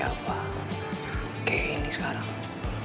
seperti ini sekarang